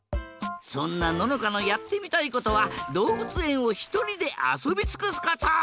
そんなののかのやってみたいことはどうぶつえんをひとりであそびつくすこと！